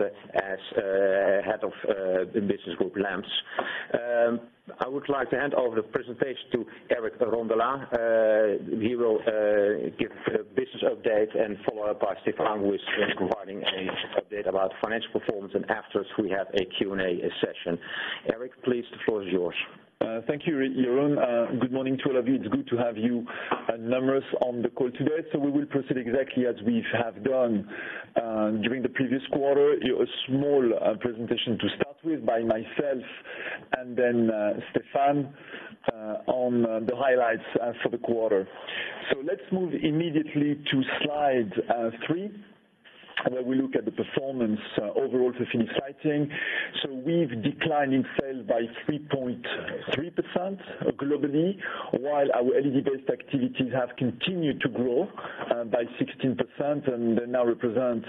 as head of Business Group Lamps. I would like to hand over the presentation to Eric Rondolat. He will give business update and followed by Stéphane, who is providing an update about financial performance. After, we have a Q&A session. Eric, please, the floor is yours. Thank you, Jeroen. Good morning to all of you. It is good to have you numerous on the call today. We will proceed exactly as we have done during the previous quarter, a small presentation to start with by myself and then Stéphane on the highlights for the quarter. Let us move immediately to slide three, where we look at the performance overall for Philips Lighting. We have declined in sales by 3.3% globally, while our LED-based activities have continued to grow by 16% and they now represent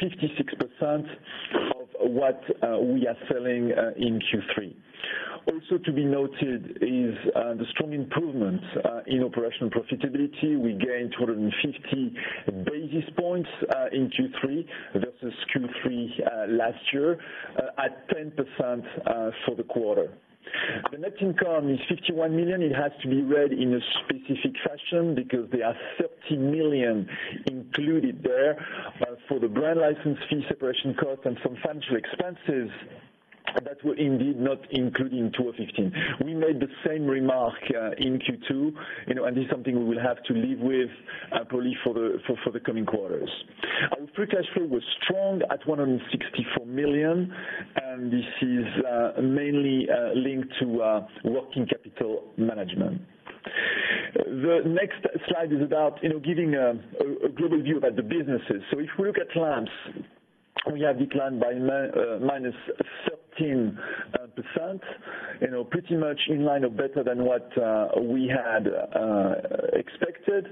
56% of what we are selling in Q3. Also to be noted is the strong improvement in operational profitability. We gained 250 basis points in Q3 versus Q3 last year, at 10% for the quarter. The net income is 51 million. It has to be read in a specific fashion because there are 30 million included there for the brand license fee separation cost and some financial expenses that were indeed not included in Q1 2015. We made the same remark in Q2. This is something we will have to live with, probably for the coming quarters. Our free cash flow was strong at 164 million. This is mainly linked to working capital management. The next slide is about giving a global view about the businesses. If we look at Lamps, we have declined by minus 13%, pretty much in line or better than what we had expected.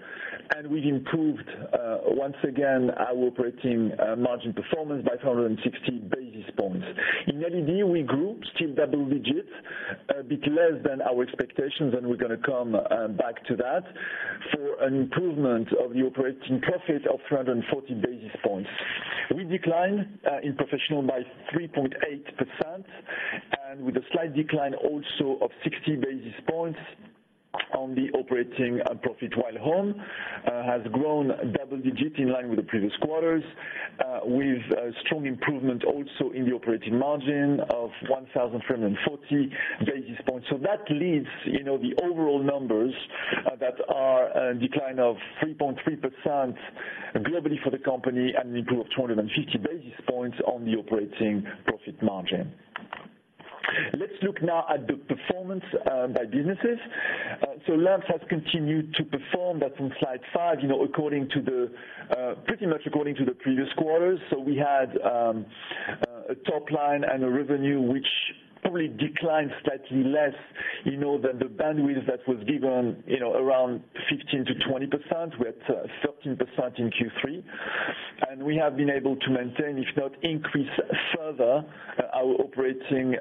We have improved, once again, our operating margin performance by 460 basis points. In LED, we grew still double digits, a bit less than our expectations. We are going to come back to that, for an improvement of the operating profit of 340 basis points. We declined in Professional by 3.8%. With a slight decline also of 60 basis points on the operating profit, while Home has grown double digits in line with the previous quarters, with a strong improvement also in the operating margin of 1,340 basis points. That leads the overall numbers that are a decline of 3.3% globally for the company and an improvement of 250 basis points on the operating profit margin. Let us look now at the performance by businesses. Lamps has continued to perform, that is on slide five, pretty much according to the previous quarters. We had a top line and a revenue which probably declined slightly less than the bandwidth that was given, around 15%-20%, we are at 13% in Q3. We have been able to maintain, if not increase further, our operating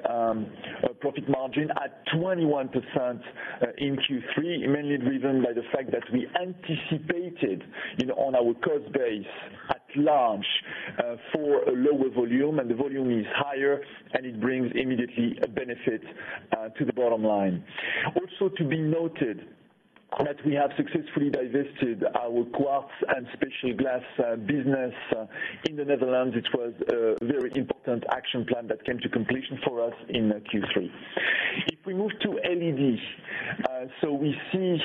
profit margin at 21% in Q3, mainly driven by the fact that we anticipated on our cost base at large for a lower volume, and the volume is higher, and it brings immediately a benefit to the bottom line. Also to be noted that we have successfully divested our Quartz and Special Glass business in the Netherlands, which was a very important action plan that came to completion for us in Q3. If we move to LED. We see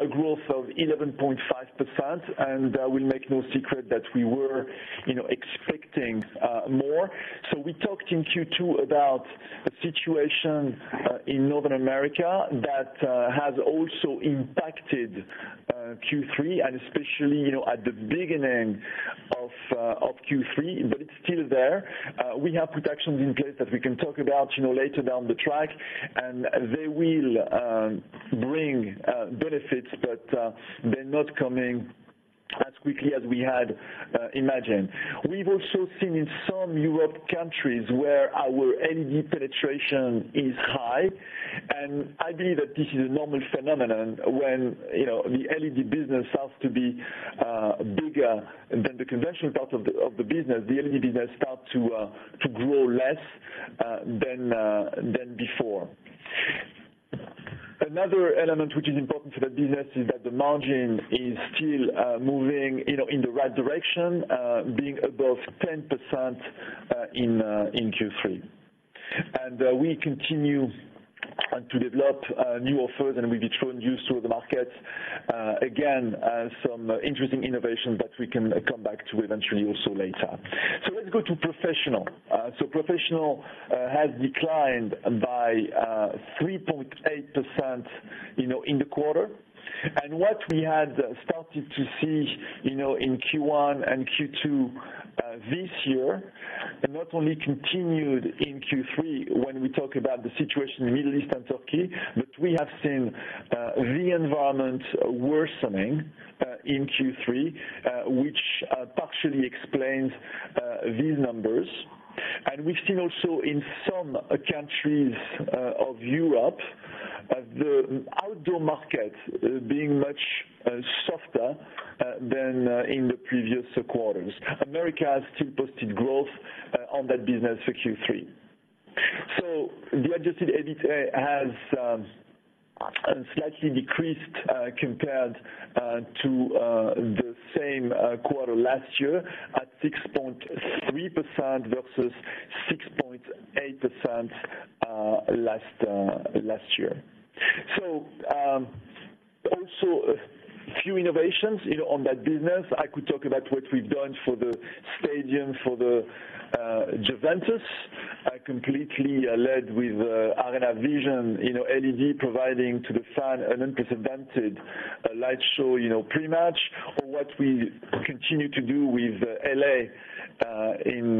a growth of 11.5%, and we make no secret that we were expecting more. We talked in Q2 about a situation in North America that has also impacted Q3, and especially, at the beginning of Q3, but it is still there. We have protections in place that we can talk about later down the track, and they will bring benefits, but they are not coming as quickly as we had imagined. We have also seen in some Europe countries where our LED penetration is high, and I believe that this is a normal phenomenon when the LED business starts to be bigger than the conventional part of the business, the LED business start to grow less than before. Another element which is important for that business is that the margin is still moving in the right direction, being above 10% in Q3. We continue to develop new offers, and we have introduced to the markets, again, some interesting innovations that we can come back to eventually also later. Let's go to Professional. Professional has declined by 3.8% in the quarter. What we had started to see in Q1 and Q2 this year, not only continued in Q3 when we talk about the situation in Middle East and Turkey, but we have seen the environment worsening in Q3, which partially explains these numbers. We have seen also in some countries of Europe, the outdoor market being much softer than in the previous quarters. America has still posted growth on that business for Q3. The adjusted EBITDA has slightly decreased, compared to the same quarter last year, at 6.3% versus 6.8% last year. Also a few innovations on that business. I could talk about what we have done for the stadium for the Juventus, completely LED with ArenaVision, LED providing to the fan an unprecedented light show pre-match. Or what we continue to do with L.A. in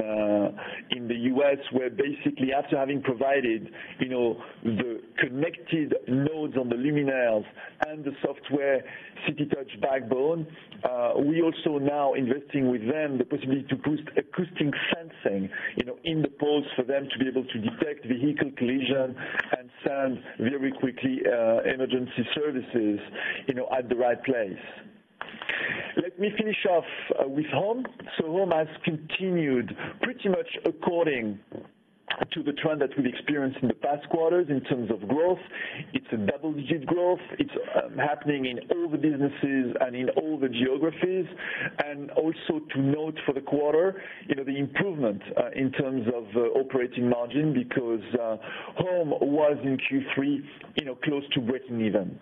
the U.S., where basically after having provided the connected nodes on the luminaire and the software CityTouch Backbone, we also now investing with them the possibility to boost acoustic sensing in the poles for them to be able to detect vehicle collision and send very quickly emergency services at the right place. Let me finish off with Home. Home has continued pretty much according to the trend that we have experienced in the past quarters in terms of growth. It is a double-digit growth. It is happening in all the businesses and in all the geographies. Also to note for the quarter, the improvement in terms of operating margin because Home was in Q3 close to breaking even.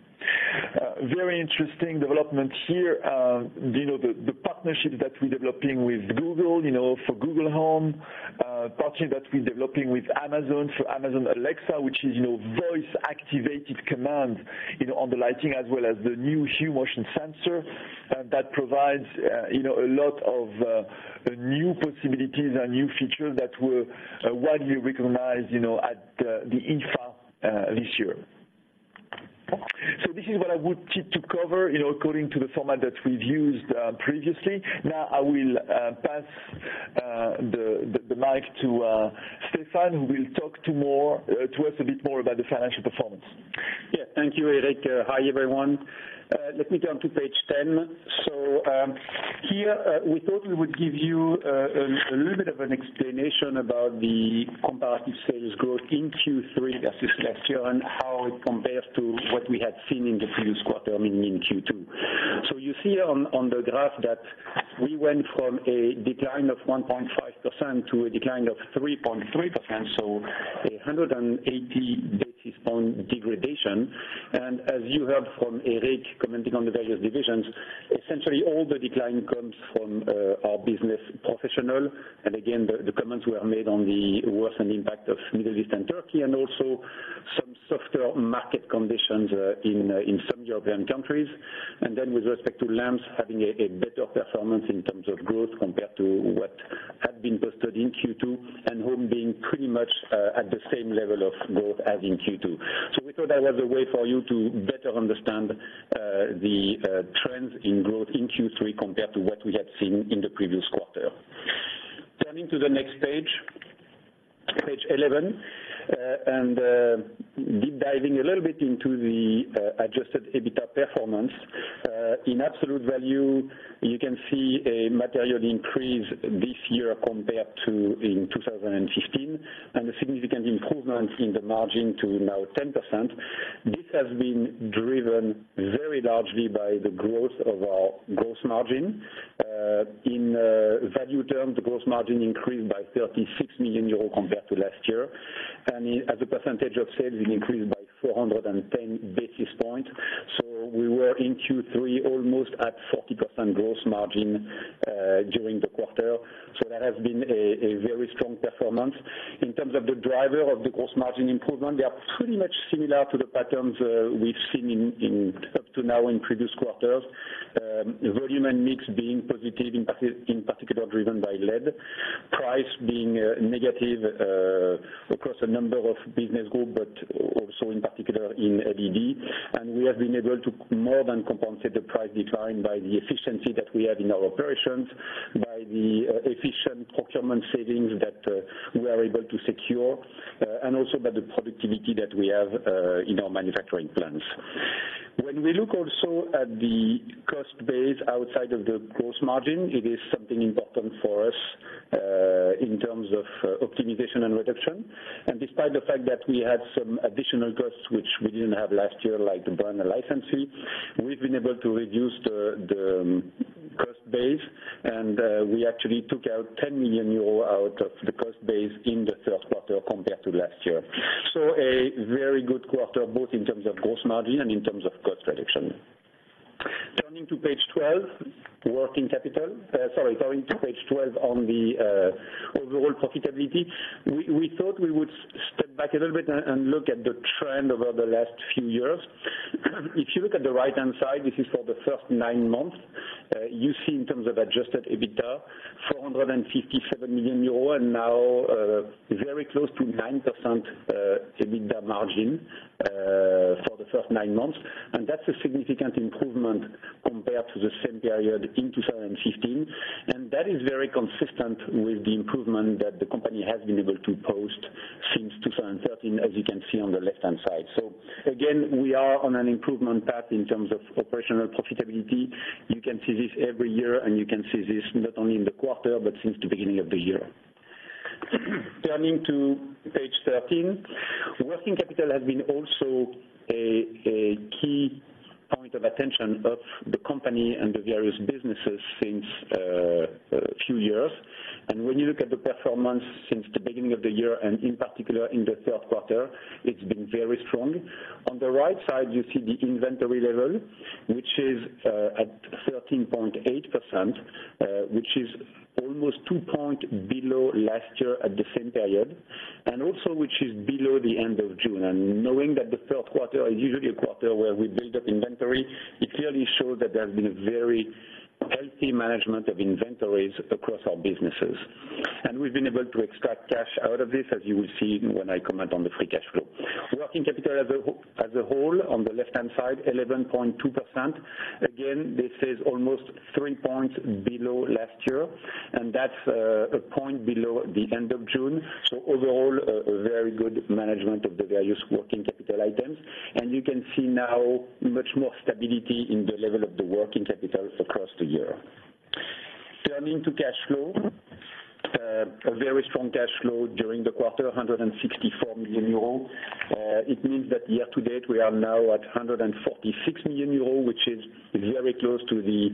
Very interesting development here. The partnership that we're developing with Google for Google Home, a partnership that we're developing with Amazon for Amazon Alexa, which is voice-activated command on the lighting as well as the new Hue motion sensor that provides a lot of new possibilities and new features that were widely recognized at the IFA this year. This is what I would keep to cover according to the format that we've used previously. Now I will pass the mic to Stéphane, who will talk to us a bit more about the financial performance. Yeah. Thank you, Eric. Hi, everyone. Let me turn to page 10. Here, we thought we would give you a little bit of an explanation about the comparative sales growth in Q3 versus last year, and how it compares to what we had seen in the previous quarter, meaning in Q2. You see on the graph that we went from a decline of 1.5% to a decline of 3.3%, 180 basis points degradation. As you heard from Eric commenting on the various divisions, essentially all the decline comes from our Business Professional. Again, the comments were made on the worsened impact of Middle East and Turkey, also some softer market conditions in some European countries. With respect to Lamps, having a better performance in terms of growth compared to what had been posted in Q2, Home being pretty much at the same level of growth as in Q2. We thought that was a way for you to better understand the trends in growth in Q3 compared to what we had seen in the previous quarter. Turning to the next page 11, deep-diving a little bit into the adjusted EBITDA performance. In absolute value, you can see a material increase this year compared to in 2015, a significant improvement in the margin to now 10%. This has been driven very largely by the growth of our gross margin. In value terms, the gross margin increased by 36 million euros compared to last year. As a percentage of sales, it increased by 410 basis points. We were in Q3 almost at 40% gross margin during the quarter. That has been a very strong performance. In terms of the driver of the gross margin improvement, they are pretty much similar to the patterns we've seen up to now in previous quarters. Volume and mix being positive, in particular driven by LED. Price being negative across a number of Business Group, but also in particular in LED. We have been able to more than compensate the price decline by the efficiency that we have in our operations, by the efficient procurement savings that we are able to secure, also by the productivity that we have in our manufacturing plants. When we look also at the cost base outside of the gross margin, it is something important for us, in terms of optimization and reduction. Despite the fact that we had some additional costs which we didn't have last year, like the brand licensee, we've been able to reduce the cost base and we actually took out 10 million euros out of the cost base in the third quarter compared to last year. A very good quarter, both in terms of gross margin and in terms of cost reduction. Turning to page 12, working capital. Sorry, going to page 12 on the overall profitability. We thought we would step back a little bit and look at the trend over the last few years. If you look at the right-hand side, this is for the first nine months. You see in terms of adjusted EBITDA, 457 million euro and now very close to 9% EBITDA margin. The first nine months, that's a significant improvement compared to the same period in 2015. That is very consistent with the improvement that the company has been able to post since 2013, as you can see on the left-hand side. Again, we are on an improvement path in terms of operational profitability. You can see this every year, and you can see this not only in the quarter but since the beginning of the year. Turning to page 13. Working capital has been also a key point of attention of the company and the various businesses since a few years. When you look at the performance since the beginning of the year, and in particular in the third quarter, it's been very strong. On the right side, you see the inventory level, which is at 13.8%, which is almost two point below last year at the same period, and also which is below the end of June. Knowing that the third quarter is usually a quarter where we build up inventory, it clearly shows that there's been a very healthy management of inventories across our businesses. We've been able to extract cash out of this, as you will see when I comment on the free cash flow. Working capital as a whole on the left-hand side, 11.2%. Again, this is almost three points below last year, and that's a point below the end of June. Overall, a very good management of the various working capital items. You can see now much more stability in the level of the working capital across the year. Turning to cash flow. A very strong cash flow during the quarter, 164 million euro. It means that year to date, we are now at 146 million euro, which is very close to the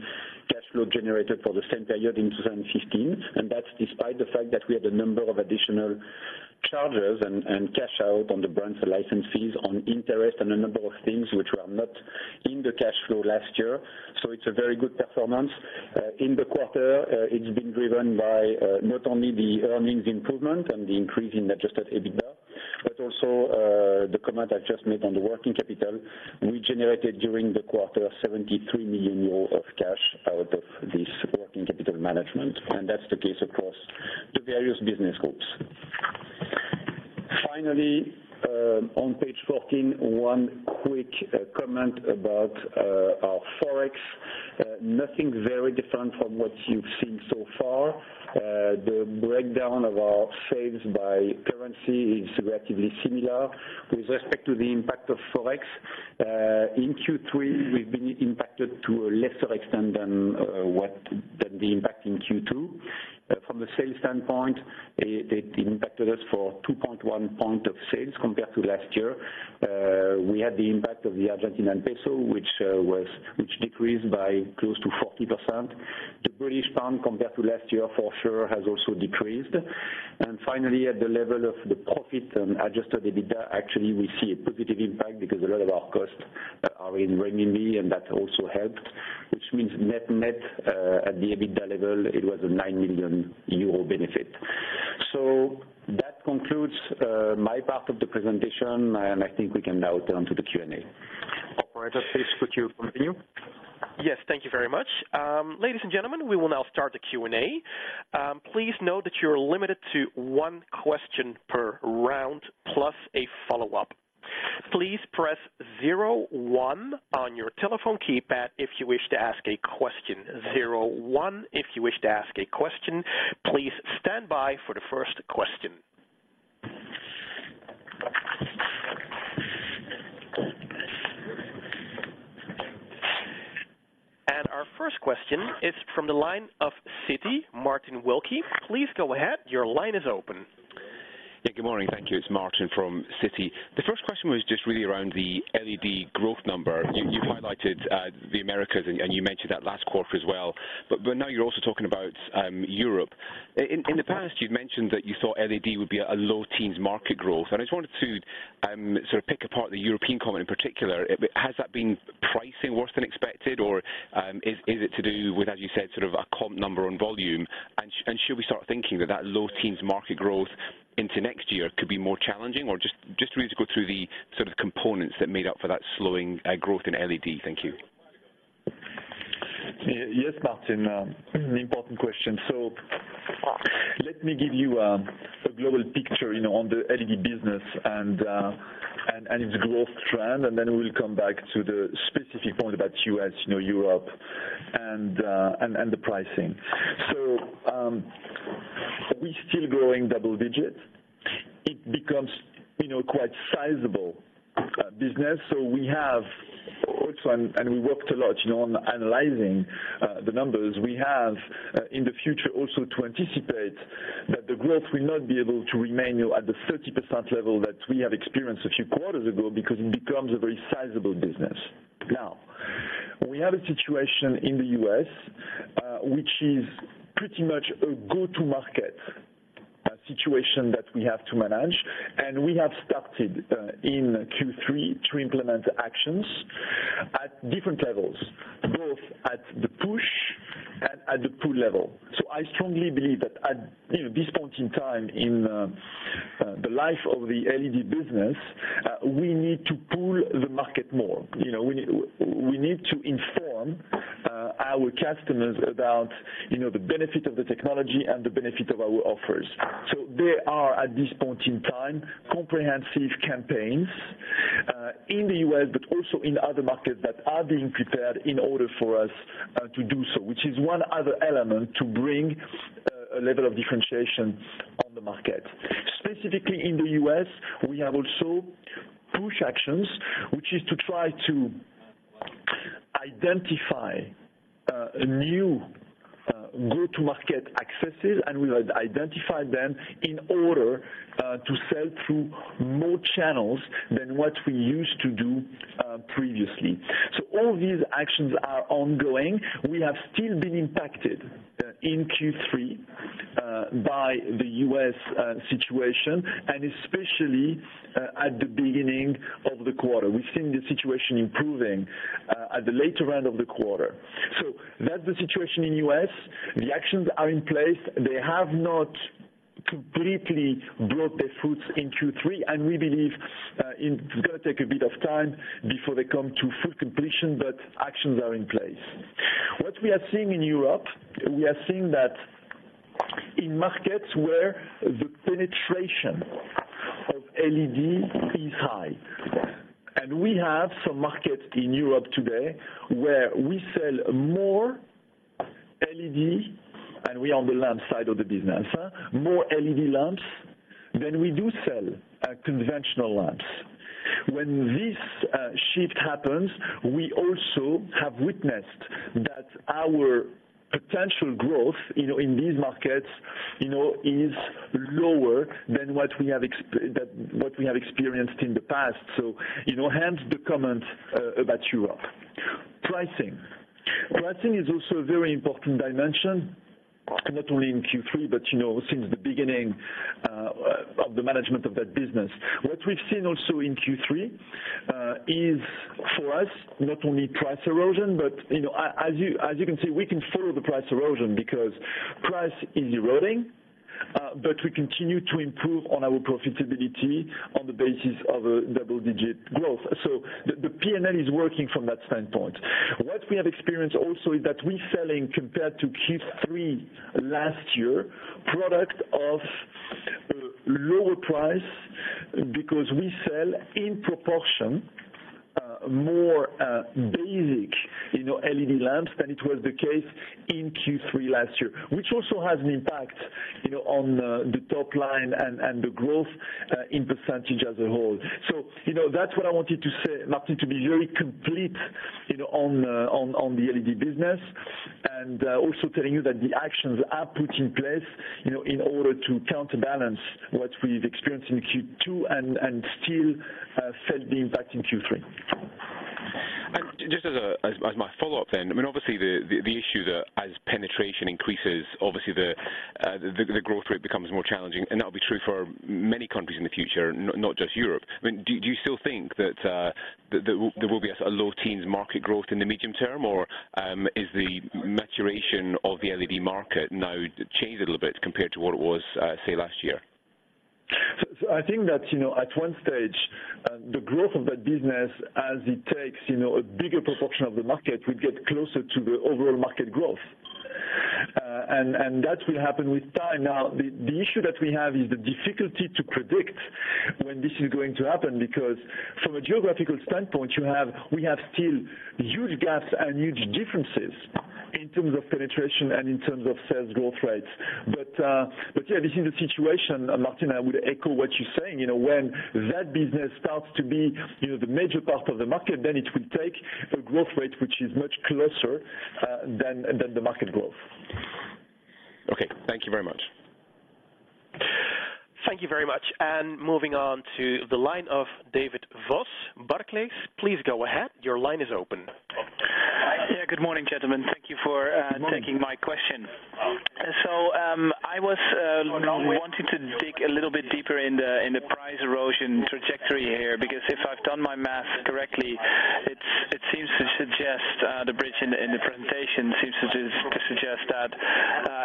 cash flow generated for the same period in 2015. That's despite the fact that we had a number of additional charges and cash out on the brands license fees on interest and a number of things which were not in the cash flow last year. It's a very good performance. In the quarter, it's been driven by not only the earnings improvement and the increase in adjusted EBITDA, but also the comment I just made on the working capital. We generated during the quarter 73 million euros of cash out of this working capital management, and that's the case across the various business groups. Finally, on page 14, one quick comment about our Forex. Nothing very different from what you've seen so far. The breakdown of our sales by currency is relatively similar. With respect to the impact of Forex, in Q3, we've been impacted to a lesser extent than the impact in Q2. From a sales standpoint, it impacted us for 2.1 point of sales compared to last year. We had the impact of the Argentinian peso, which decreased by close to 40%. The British pound compared to last year, for sure, has also decreased. Finally, at the level of the profit and adjusted EBITDA, actually, we see a positive impact because a lot of our costs are in renminbi, that also helped, which means net at the EBITDA level, it was a 9 million euro benefit. That concludes my part of the presentation, I think we can now turn to the Q&A. Operator, please could you continue? Yes, thank you very much. Ladies and gentlemen, we will now start the Q&A. Please note that you're limited to one question per round plus a follow-up. Please press 01 on your telephone keypad if you wish to ask a question. 01 if you wish to ask a question. Please stand by for the first question. Our first question is from the line of Citi, Martin Wilkie, please go ahead. Your line is open. Yeah, good morning. Thank you. It's Martin from Citi. The first question was just really around the LED growth number. You highlighted the Americas, you mentioned that last quarter as well, now you're also talking about Europe. In the past, you've mentioned that you thought LED would be a low teens market growth. I just wanted to sort of pick apart the European comment in particular. Has that been pricing worse than expected, or is it to do with, as you said, sort of a comp number on volume? Should we start thinking that low teens market growth into next year could be more challenging, or just really to go through the sort of components that made up for that slowing growth in LED? Thank you. Yes, Martin. Important question. Let me give you a global picture on the LED business and its growth trend, and then we will come back to the specific point about U.S., Europe and the pricing. We're still growing double digits. It becomes quite sizable business. We have also, and we worked a lot on analyzing the numbers we have in the future also to anticipate that the growth will not be able to remain at the 30% level that we have experienced a few quarters ago because it becomes a very sizable business. We have a situation in the U.S., which is pretty much a go-to-market situation that we have to manage. We have started in Q3 to implement actions at different levels, both at the push and at the pull level. I strongly believe that at this point in time in the life of the LED business, we need to pull the market more. We need to inform Our customers about the benefit of the technology and the benefit of our offers. They are, at this point in time, comprehensive campaigns in the U.S., but also in other markets that are being prepared in order for us to do so, which is one other element to bring a level of differentiation on the market. Specifically in the U.S., we have also push actions, which is to try to identify new go-to-market accesses, and we will identify them in order to sell through more channels than what we used to do previously. All these actions are ongoing. We have still been impacted in Q3 by the U.S. situation, and especially at the beginning of the quarter. We've seen the situation improving at the later end of the quarter. That's the situation in U.S. The actions are in place. They have not completely brought their fruits in Q3. We believe it's going to take a bit of time before they come to full completion, but actions are in place. What we are seeing in Europe, we are seeing that in markets where the penetration of LED is high, and we have some markets in Europe today where we sell more LED, and we are on the lamp side of the business, more LED lamps than we do sell conventional lamps. When this shift happens, we also have witnessed that our potential growth in these markets is lower than what we have experienced in the past. Hence the comment about Europe. Pricing. Pricing is also a very important dimension, not only in Q3, but since the beginning of the management of that business. What we've seen also in Q3 is, for us, not only price erosion, but as you can see, we can follow the price erosion because price is eroding, but we continue to improve on our profitability on the basis of a double-digit growth. The P&L is working from that standpoint. What we have experienced also is that we're selling, compared to Q3 last year, product of lower price because we sell in proportion more basic LED lamps than it was the case in Q3 last year, which also has an impact on the top line and the growth in percentage as a whole. That's what I wanted to say, Martin, to be very complete on the LED business and also telling you that the actions are put in place in order to counterbalance what we've experienced in Q2 and still felt the impact in Q3. Just as my follow-up then, obviously the issue that as penetration increases, obviously the growth rate becomes more challenging, and that'll be true for many countries in the future, not just Europe. Do you still think that there will be a low teens market growth in the medium term, or is the maturation of the LED market now changed a little bit compared to what it was, say, last year? I think that at one stage, the growth of that business as it takes a bigger proportion of the market, will get closer to the overall market growth. That will happen with time. Now, the issue that we have is the difficulty to predict when this is going to happen, because from a geographical standpoint, we have still huge gaps and huge differences in terms of penetration and in terms of sales growth rates. Yeah, this is the situation, Martin, I would echo what you're saying. When that business starts to be the major part of the market, then it will take a growth rate which is much closer than the market growth. Okay. Thank you very much. Thank you very much. Moving on to the line of David Vos, Barclays. Please go ahead. Your line is open. Yeah, good morning, gentlemen. Thank you. Good morning. taking my question. I was wanting to dig a little bit deeper in the price erosion trajectory here, because if I've done my math correctly, it seems to suggest, the bridge in the presentation seems to suggest that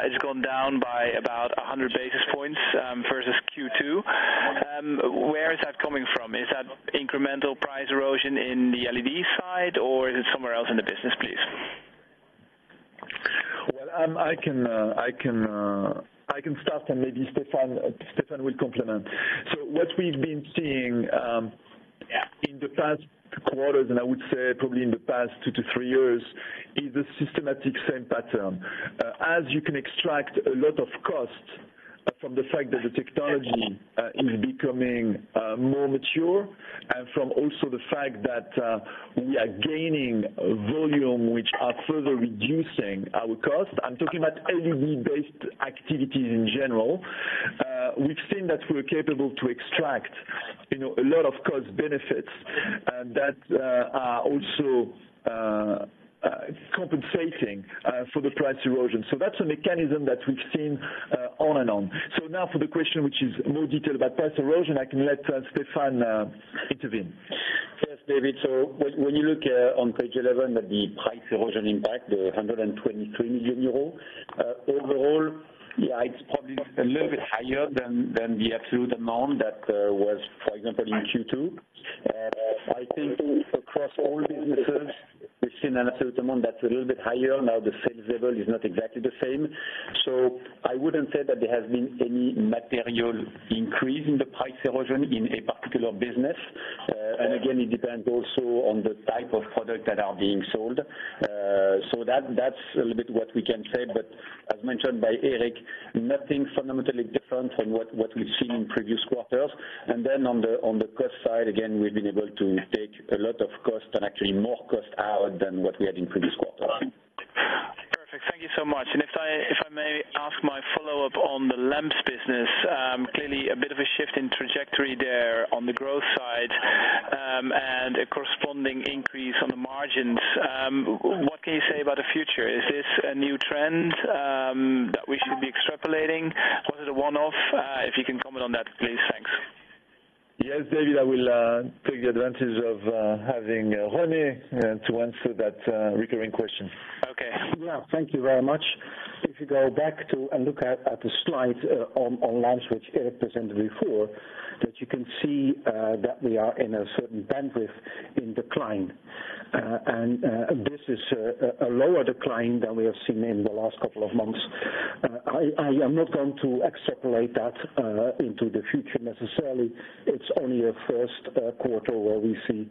it's gone down by about 100 basis points versus Q2. Where is that coming from? Is that incremental price erosion in the LED side, or is it somewhere else in the business, please? I can start and maybe Stéphane will complement. What we've been seeing in the past quarters, and I would say probably in the past 2 to 3 years, is a systematic same pattern. As you can extract a lot of cost from the fact that the technology is becoming more mature and from also the fact that we are gaining volume which are further reducing our cost, I'm talking about LED-based activities in general. We've seen that we're capable to extract a lot of cost benefits that are also compensating for the price erosion. That's a mechanism that we've seen on and on. For the question, which is more detail about price erosion, I can let Stéphane intervene. Yes, David. When you look on page 11 at the price erosion impact, the 123 million euros. It's probably a little bit higher than the absolute amount that was, for example, in Q2. I think across all businesses, we've seen an absolute amount that's a little bit higher. The sales level is not exactly the same. I wouldn't say that there has been any material increase in the price erosion in a particular business. It depends also on the type of product that are being sold. That's a little bit what we can say, but as mentioned by Eric, nothing fundamentally different from what we've seen in previous quarters. On the cost side, again, we've been able to take a lot of cost and actually more cost out than what we had in previous quarters. Perfect. Thank you so much. If I may ask my follow-up on the lamps business. Clearly a bit of a shift in trajectory there on the growth side, and a corresponding increase on the margins. What can you say about the future? Is this a new trend that we should be extrapolating? Was it a one-off? If you can comment on that, please. Thanks. Yes, David, I will take the advantage of having René to answer that recurring question. Okay. Thank you very much. If you go back to and look at the slide on lamps which Eric presented before, that you can see that we are in a certain bandwidth in decline. This is a lower decline than we have seen in the last couple of months. I am not going to extrapolate that into the future necessarily. It's only a first quarter where we see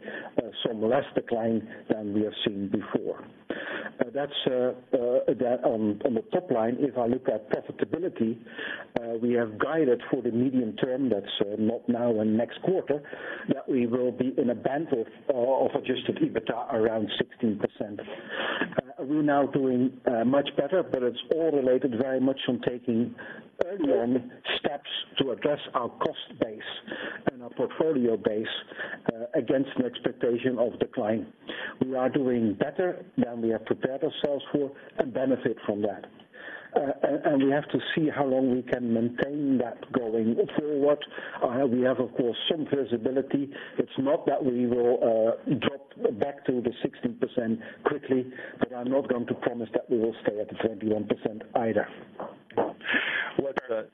some less decline than we have seen before. That's on the top line. If I look at profitability, we have guided for the medium term. That's not now and next quarter, that we will be in a band of adjusted EBITA around 16%. We're now doing much better, but it's all related very much on taking early on steps to address our cost base and our portfolio base, against an expectation of decline. We are doing better than we have prepared ourselves for and benefit from that. We have to see how long we can maintain that going forward. We have, of course, some visibility. It's not that we will drop back to the 16% quickly, but I'm not going to promise that we will stay at the 21% either.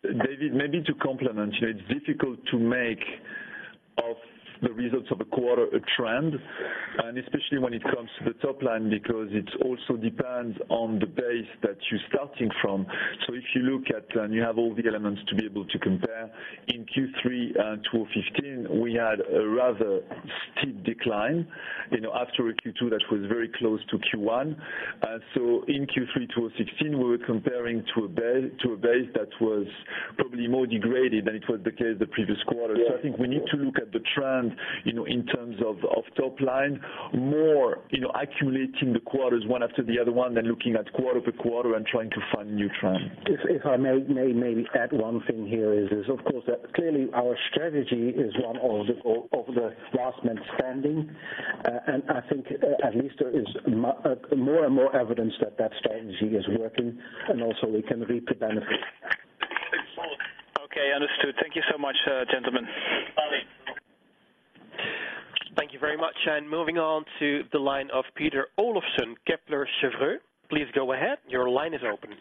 David, maybe to complement, it's difficult to make of the results of a quarter a trend, and especially when it comes to the top line, because it also depends on the base that you're starting from. If you look at, and you have all the elements to be able to compare, in Q3 2015, we had a rather steep decline, after a Q2 that was very close to Q1. In Q3 2016, we were comparing to a base that was probably more degraded than it was the case the previous quarter. I think we need to look at the trend in terms of top line more, accumulating the quarters one after the other one than looking at quarter to quarter and trying to find new trend. If I may maybe add one thing here is, of course, that clearly our strategy is one of the last man standing. I think at least there is more and more evidence that that strategy is working and also we can reap the benefit. Okay, understood. Thank you so much, gentlemen. Bye. Thank you very much. Moving on to the line of Peter Olofsen, Kepler Cheuvreux. Please go ahead. Your line is open.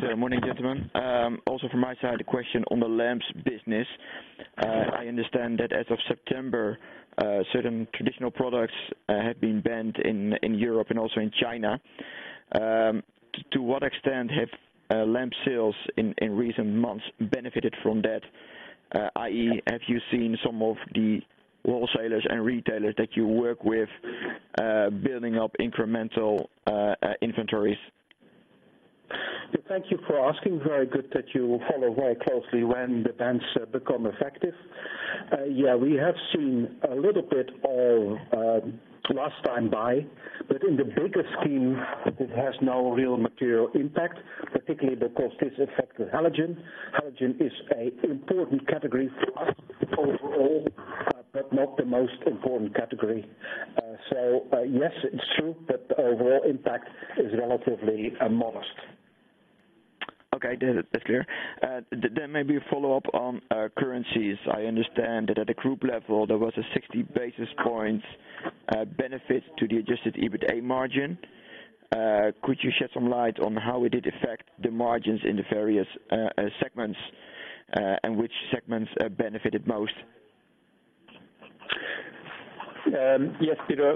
Good morning, gentlemen. Also from my side, a question on the lamps business. I understand that as of September, certain traditional products have been banned in Europe and also in China. To what extent have lamp sales in recent months benefited from that? i.e., have you seen some of the wholesalers and retailers that you work with building up incremental inventories? Thank you for asking. Very good that you follow very closely when the bans become effective. Yeah, we have seen a little bit of last time buy, but in the bigger scheme, it has no real material impact, particularly because this affects the halogen. Halogen is a important category for us overall, but not the most important category. Yes, it's true, but the overall impact is relatively modest. Okay, that's clear. Maybe a follow-up on currencies. I understand that at a group level, there was a 60 basis points benefit to the adjusted EBITA margin. Could you shed some light on how it did affect the margins in the various segments, and which segments benefited most? Yes, Peter.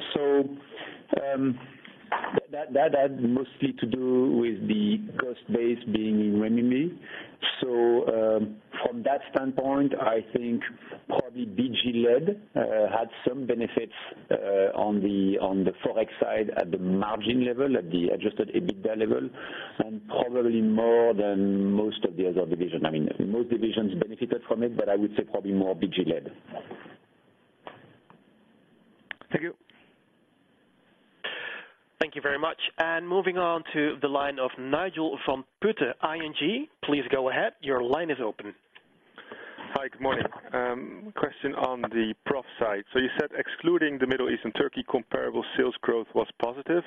That had mostly to do with the cost base being in renminbi. From that standpoint, I think probably BG LED had some benefits on the Forex side at the margin level, at the adjusted EBITDA level, and probably more than most of the other divisions. Most divisions benefited from it, but I would say probably more BG LED. Thank you. Thank you very much. Moving on to the line of Nigel van Putten, ING. Please go ahead. Your line is open. Hi, good morning. Question on the prof side. You said excluding the Middle East and Turkey, comparable sales growth was positive.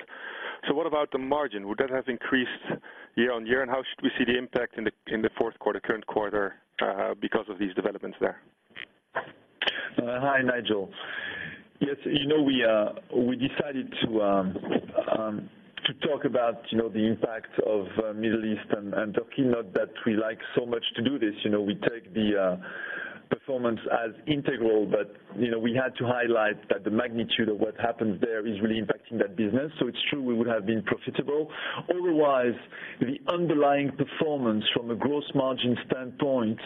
What about the margin? Would that have increased year-over-year? How should we see the impact in the fourth quarter, current quarter, because of these developments there? Hi, Nigel. We decided to talk about the impact of Middle East and Turkey. Not that we like so much to do this. We take the performance as integral, we had to highlight that the magnitude of what happened there is really impacting that business. It's true we would have been profitable. Otherwise, the underlying performance from a gross margin standpoint,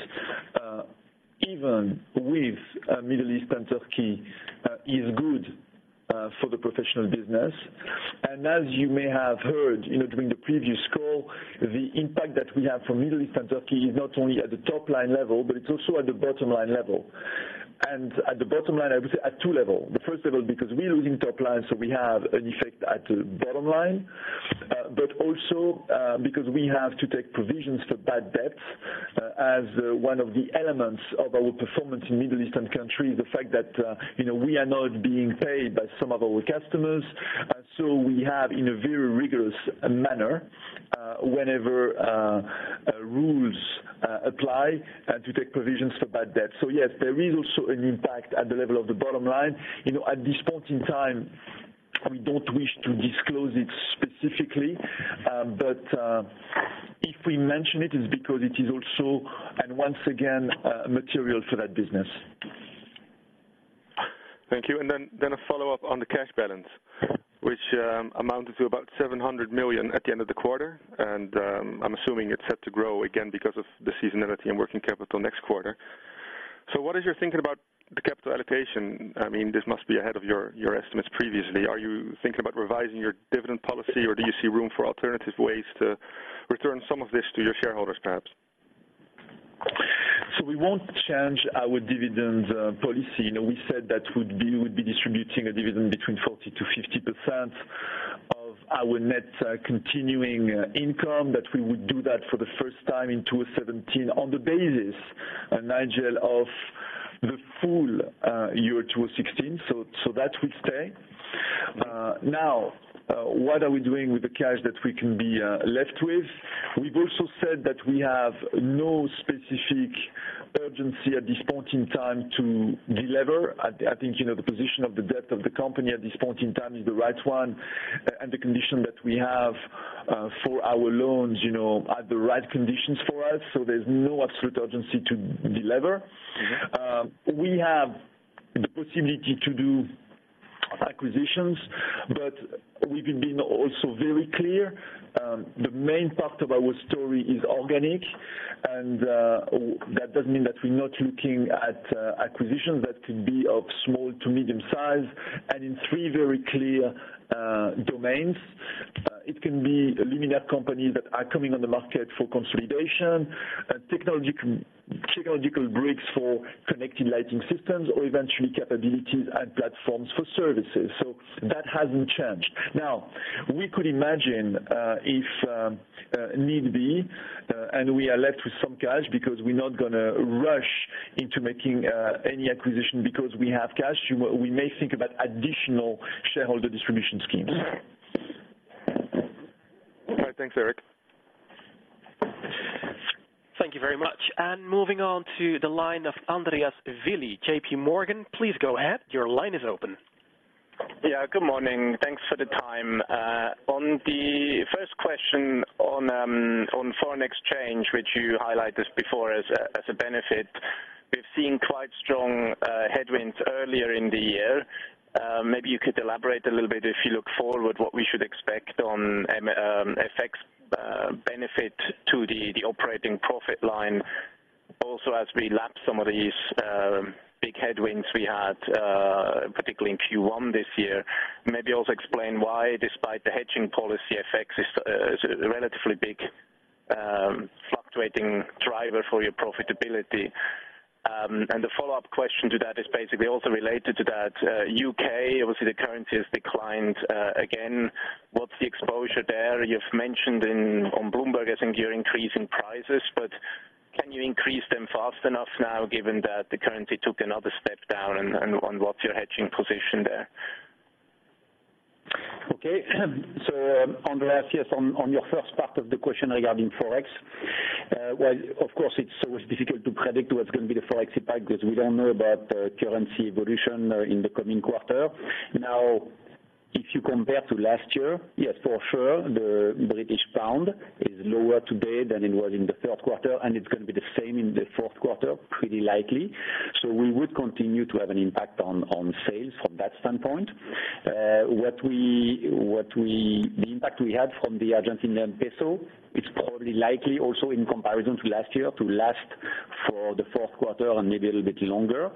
even with Middle East and Turkey, is good for the professional business. As you may have heard, during the previous call, the impact that we have from Middle East and Turkey is not only at the top-line level, it's also at the bottom-line level. At the bottom line, I would say at two level. The first level, because we're losing top line, we have an effect at the bottom line, also because we have to take provisions for bad debts as one of the elements of our performance in Middle Eastern countries, the fact that we are not being paid by some of our customers. We have in a very rigorous manner, whenever rules apply, to take provisions for bad debt. Yes, there is also an impact at the level of the bottom line. At this point in time, we don't wish to disclose it specifically. If we mention it's because it is also, and once again, material for that business. Thank you. A follow-up on the cash balance, which amounted to about 700 million at the end of the quarter. I am assuming it is set to grow again because of the seasonality and working capital next quarter. What is your thinking about the capital allocation? This must be ahead of your estimates previously. Are you thinking about revising your dividend policy, or do you see room for alternative ways to return some of this to your shareholders, perhaps? We won't change our dividend policy. We said that we would be distributing a dividend between 40%-50% of our net continuing income, that we would do that for the first time in 2017 on the basis, Nigel, of the full year 2016. That will stay. What are we doing with the cash that we can be left with? We've also said that we have no specific urgency at this point in time to delever. I think the position of the debt of the company at this point in time is the right one, and the condition that we have for our loans are the right conditions for us. There's no absolute urgency to delever. We have the possibility to do acquisitions, we've been also very clear. The main part of our story is organic, that doesn't mean that we're not looking at acquisitions that could be of small to medium size and in three very clear domains. It can be luminaire companies that are coming on the market for consolidation, technological breaks for connected lighting systems or eventually capabilities and platforms for services. That hasn't changed. We could imagine if need be, we are left with some cash because we're not going to rush into making any acquisition because we have cash. We may think about additional shareholder distribution schemes. All right. Thanks, Eric. Thank you very much. Moving on to the line of Andreas Willi, JP Morgan. Please go ahead. Your line is open. Yeah, good morning. Thanks for the time. On the first question on foreign exchange, which you highlighted before as a benefit. We've seen quite strong headwinds earlier in the year. Maybe you could elaborate a little bit if you look forward, what we should expect on FX benefit to the operating profit line. Also, as we lap some of these big headwinds we had, particularly in Q1 this year. Maybe also explain why, despite the hedging policy effects, it's a relatively big fluctuating driver for your profitability. The follow-up question to that is basically also related to that. U.K., obviously, the currency has declined again. What's the exposure there? You've mentioned on Bloomberg, I think, you're increasing prices, can you increase them fast enough now given that the currency took another step down and what's your hedging position there? Okay. Andreas, yes, on your first part of the question regarding Forex. Well, of course, it's always difficult to predict what's going to be the Forex impact because we don't know about currency evolution in the coming quarter. Now, if you compare to last year, yes, for sure, the British pound is lower today than it was in the third quarter, and it's going to be the same in the fourth quarter, pretty likely. We would continue to have an impact on sales from that standpoint. The impact we had from the Argentinian peso, it's probably likely also in comparison to last year to last for the fourth quarter and maybe a little bit longer.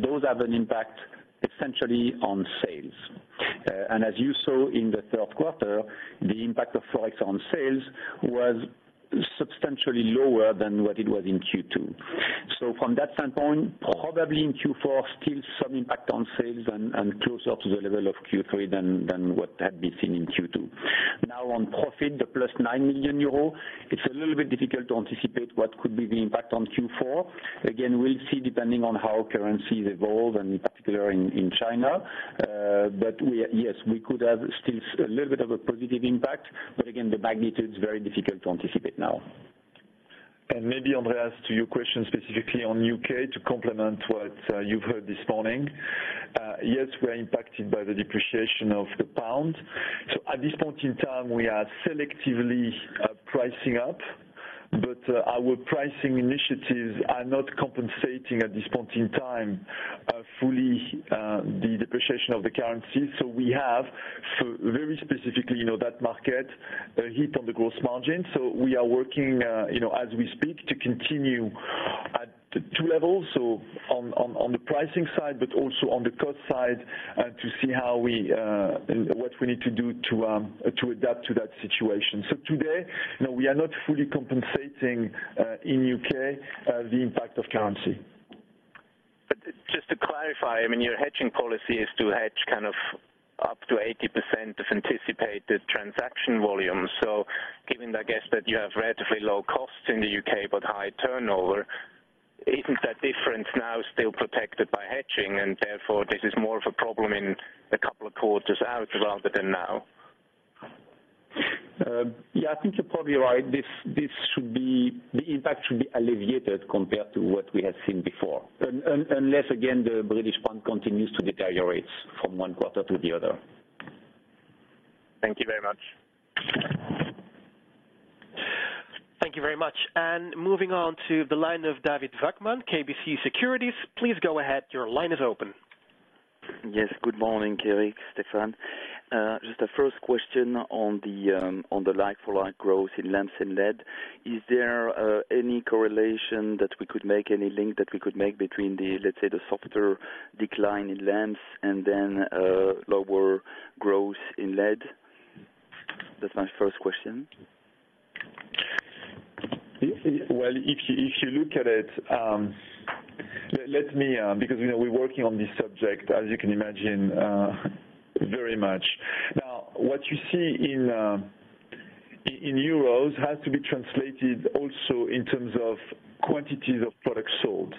Those have an impact essentially on sales. As you saw in the third quarter, the impact of Forex on sales was substantially lower than what it was in Q2. From that standpoint, probably in Q4, still some impact on sales and closer to the level of Q3 than what had been seen in Q2. Now on profit, the plus 9 million euros, it's a little bit difficult to anticipate what could be the impact on Q4. Again, we'll see, depending on how currencies evolve, and in particular in China. Yes, we could have still a little bit of a positive impact Again, the magnitude is very difficult to anticipate now. Maybe, Andreas, to your question specifically on U.K. to complement what you've heard this morning. Yes, we're impacted by the depreciation of the pound. At this point in time, we are selectively pricing up, but our pricing initiatives are not compensating at this point in time fully the depreciation of the currency. We have, for very specifically, that market, a hit on the gross margin. We are working as we speak to continue at two levels. On the pricing side, but also on the cost side, to see what we need to do to adapt to that situation. Today, no, we are not fully compensating in U.K. the impact of currency. Just to clarify, your hedging policy is to hedge up to 80% of anticipated transaction volume. Given, I guess, that you have relatively low costs in the U.K. but high turnover, isn't that difference now still protected by hedging and therefore this is more of a problem in a couple of quarters out rather than now? I think you're probably right. The impact should be alleviated compared to what we had seen before. Unless, again, the British pound continues to deteriorate from one quarter to the other. Thank you very much. Thank you very much. Moving on to the line of David Vagman, KBC Securities. Please go ahead. Your line is open. Yes. Good morning, Eric, Stéphane. Just a first question on the like-for-like growth in lamps and LED. Is there any correlation that we could make, any link that we could make between the, let's say, the softer decline in lamps and then lower growth in LED? That's my first question. Well, if you look at it, let me, because we're working on this subject, as you can imagine, very much. Now, what you see in euros has to be translated also in terms of quantities of products sold.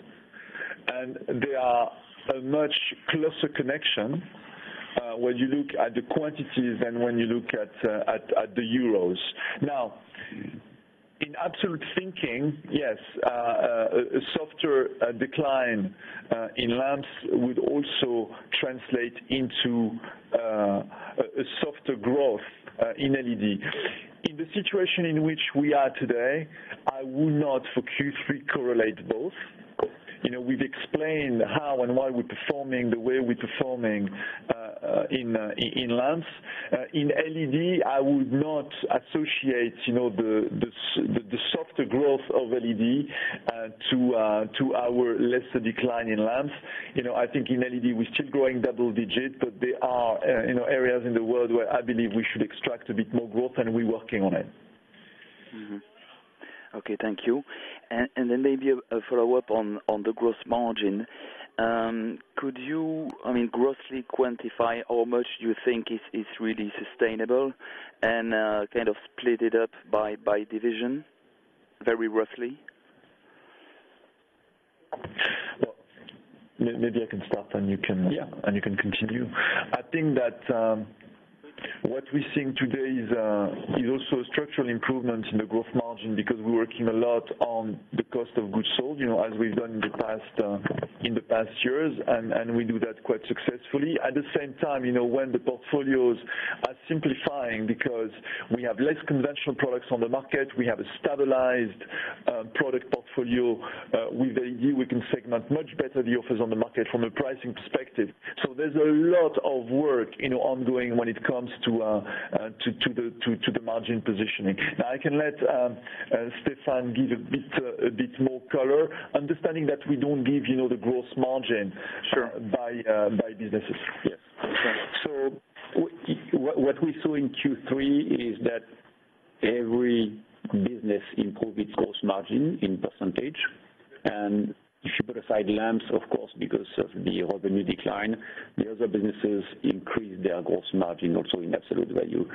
They are a much closer connection, when you look at the quantities than when you look at the euros. Now, in absolute thinking, yes, a softer decline in lamps would also translate into a softer growth in LED. In the situation in which we are today, I would not for Q3 correlate both. We've explained how and why we're performing the way we're performing in lamps. In LED, I would not associate the softer growth of LED to our lesser decline in lamps. I think in LED, we're still growing double digits, but there are areas in the world where I believe we should extract a bit more growth, and we're working on it. Mm-hmm. Okay. Thank you. Maybe a follow-up on the gross margin. Could you grossly quantify how much you think is really sustainable and split it up by division very roughly? Well, maybe I can start, and you can- Yeah You can continue. I think that what we're seeing today is also structural improvements in the gross margin because we're working a lot on the cost of goods sold, as we've done in the past years, and we do that quite successfully. At the same time, when the portfolios are simplifying because we have less conventional products on the market, we have a stabilized product portfolio. With a year, we can segment much better the offers on the market from a pricing perspective. There's a lot of work ongoing when it comes to the margin positioning. Now I can let Stéphane give a bit more color, understanding that we don't give the gross margin- Sure by businesses. Yes. What we saw in Q3 is that every business improved its gross margin in percentage. If you put aside lamps, of course, because of the revenue decline, the other businesses increased their gross margin also in absolute value.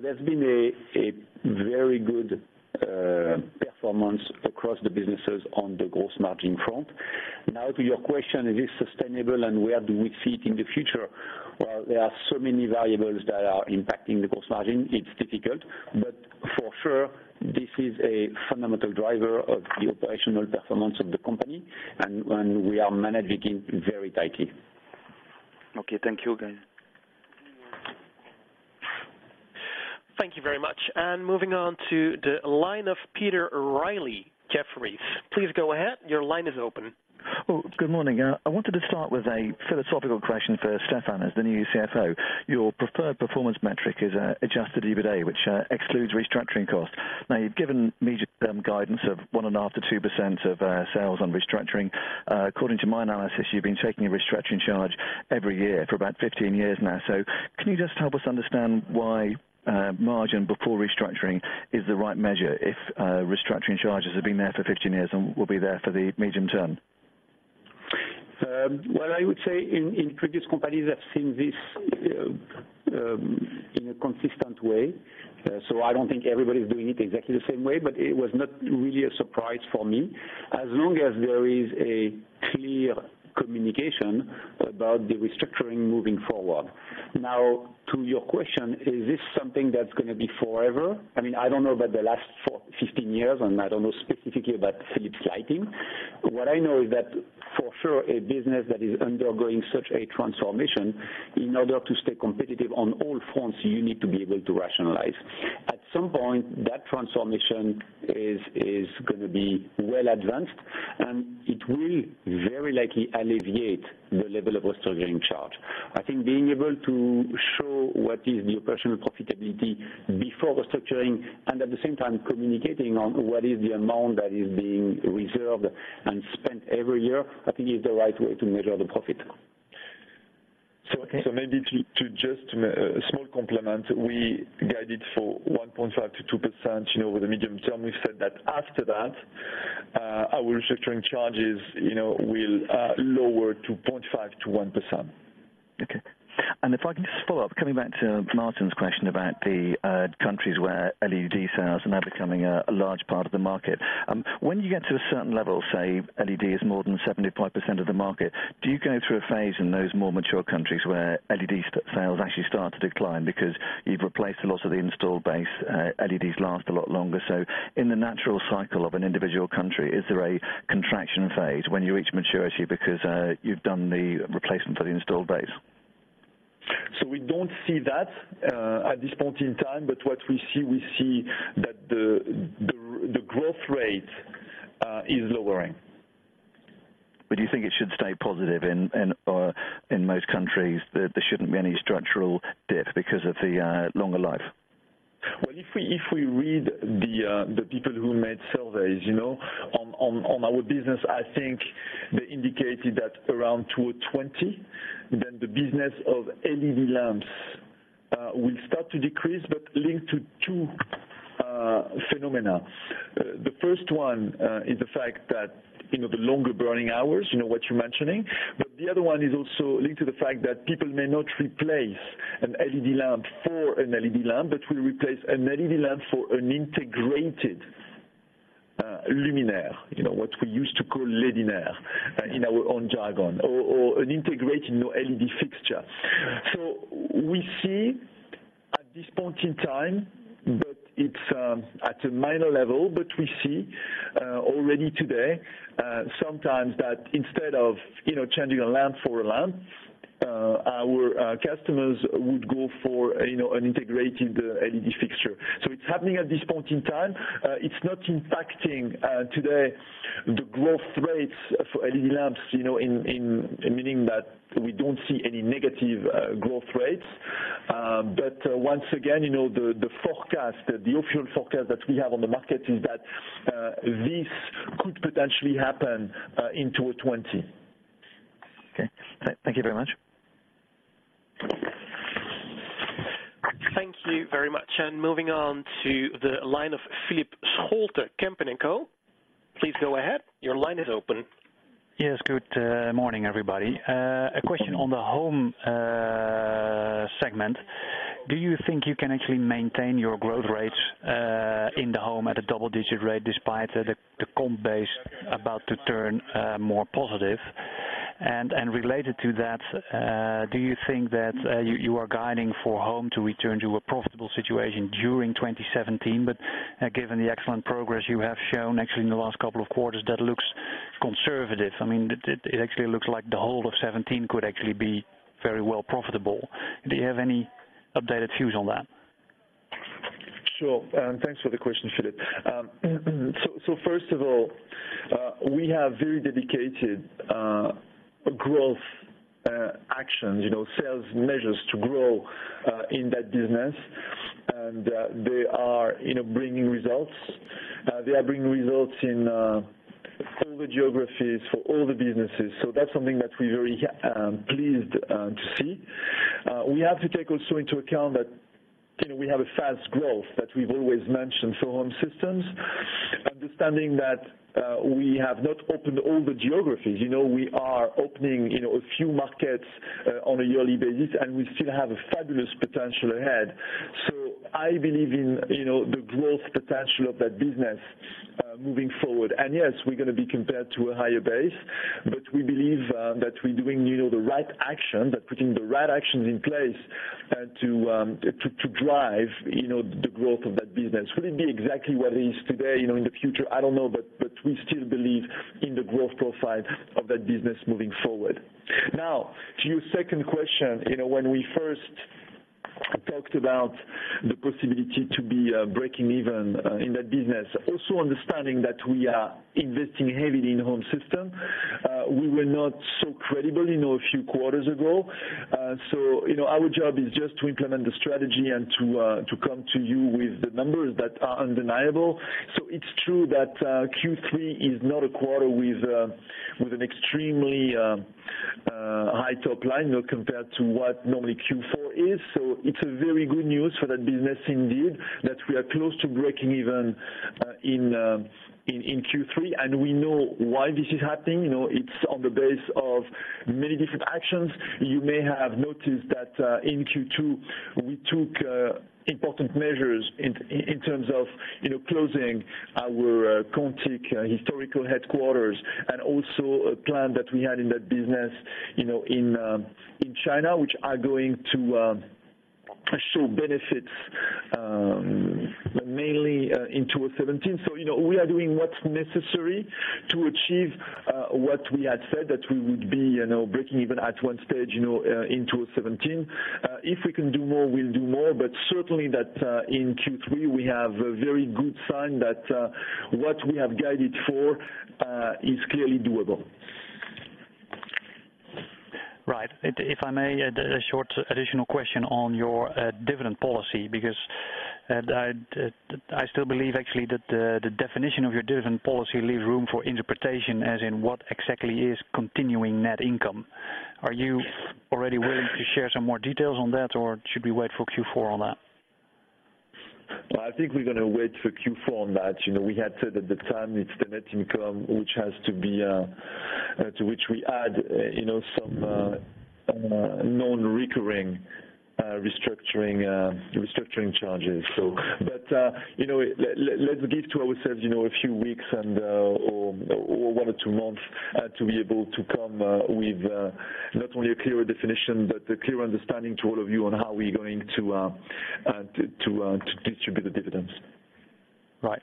There's been a very good performance across the businesses on the gross margin front. To your question, is this sustainable and where do we see it in the future? There are so many variables that are impacting the gross margin. It's difficult, but for sure, this is a fundamental driver of the operational performance of the company, and we are managing it very tightly. Okay. Thank you again. Thank you very much. Moving on to the line of Peter Reilly, Jefferies. Please go ahead. Your line is open. Good morning. I wanted to start with a philosophical question for Stéphane as the new CFO. Your preferred performance metric is adjusted EBITA, which excludes restructuring costs. You've given medium-term guidance of 1.5%-2% of sales on restructuring. According to my analysis, you've been taking a restructuring charge every year for about 15 years now. Can you just help us understand why margin before restructuring is the right measure if restructuring charges have been there for 15 years and will be there for the medium term? Well, I would say in previous companies, I've seen this in a consistent way. I don't think everybody's doing it exactly the same way, but it was not really a surprise for me. As long as there is a clear communication about the restructuring moving forward. To your question, is this something that's going to be forever? I don't know about the last 15 years, and I don't know specifically about Philips Lighting. What I know is that for sure, a business that is undergoing such a transformation, in order to stay competitive on all fronts, you need to be able to rationalize. At some point, that transformation is going to be well advanced, and it will very likely alleviate the level of restructuring charge. I think being able to show what is the operational profitability before restructuring and at the same time communicating on what is the amount that is being reserved and spent every year, I think is the right way to measure the profit. Maybe a small complement, we guided for 1.5%-2% over the medium term. We've said that after that, our restructuring charges will lower to 0.5%-1%. Okay. If I can just follow up, coming back to Martin's question about the countries where LED sales are now becoming a large part of the market. When you get to a certain level, say LED is more than 75% of the market, do you go through a phase in those more mature countries where LED sales actually start to decline because you've replaced a lot of the install base? LEDs last a lot longer. In the natural cycle of an individual country, is there a contraction phase when you reach maturity because you've done the replacement for the installed base? We don't see that at this point in time. What we see, we see that the growth rate is lowering. Do you think it should stay positive in most countries, that there shouldn't be any structural death because of the longer life? If we read the people who made surveys on our business, I think they indicated that around 2020, the business of LED lamps will start to decrease, but linked to two phenomena. The first one is the fact that the longer burning hours, what you're mentioning, but the other one is also linked to the fact that people may not replace an LED lamp for an LED lamp, but will replace an LED lamp for an integrated luminaire. What we used to call Ledinaire in our own jargon, or an integrated LED fixture. We see at this point in time, but it's at a minor level, but we see already today, sometimes that instead of changing a lamp for a lamp, our customers would go for an integrated LED fixture. It's happening at this point in time. It's not impacting today the growth rates for LED lamps, meaning that we don't see any negative growth rates. Once again, the official forecast that we have on the market is that this could potentially happen in 2020. Okay. Thank you very much. Thank you very much. Moving on to the line of Philip Scholte, Kempen & Co. Please go ahead. Your line is open. Yes, good morning, everybody. A question on the home segment. Do you think you can actually maintain your growth rates in the home at a double-digit rate despite the comp base about to turn more positive? Related to that, do you think that you are guiding for home to return to a profitable situation during 2017? Given the excellent progress you have shown actually in the last couple of quarters, that looks conservative. It actually looks like the whole of 2017 could actually be very well profitable. Do you have any updated views on that? Sure. Thanks for the question, Philip. First of all, we have very dedicated growth actions, sales measures to grow in that business, and they are bringing results. They are bringing results in all the geographies for all the businesses. That's something that we're very pleased to see. We have to take also into account that we have a fast growth that we've always mentioned for home systems, understanding that we have not opened all the geographies. We are opening a few markets on a yearly basis, and we still have a fabulous potential ahead. I believe in the growth potential of that business moving forward. And yes, we're going to be compared to a higher base, but we believe that we're doing the right action, that putting the right actions in place to drive the growth of that business. Will it be exactly where it is today in the future? I don't know, but we still believe in the growth profile of that business moving forward. To your second question, when we first talked about the possibility to be breaking even in that business, also understanding that we are investing heavily in home system. We were not so credible a few quarters ago. Our job is just to implement the strategy and to come to you with the numbers that are undeniable. It's true that Q3 is not a quarter with an extremely high top line compared to what normally Q4 is. It's a very good news for that business indeed, that we are close to breaking even in Q3. We know why this is happening. It's on the base of many different actions. You may have noticed that in Q2, we took important measures in terms of closing our [contact] historical headquarters and also a plan that we had in that business in China, which are going to show benefits mainly in 2017. We are doing what's necessary to achieve what we had said that we would be breaking even at one stage in 2017. If we can do more, we'll do more, but certainly that in Q3 we have a very good sign that what we have guided for is clearly doable. Right. If I may, a short additional question on your dividend policy, because I still believe actually that the definition of your dividend policy leaves room for interpretation as in what exactly is continuing net income. Are you already willing to share some more details on that, or should we wait for Q4 on that? Well, I think we're going to wait for Q4 on that. We had said at the time it's the net income to which we add some non-recurring restructuring charges. Let's give to ourselves a few weeks or one or two months to be able to come with not only a clearer definition, but a clear understanding to all of you on how we're going to distribute the dividends. Right.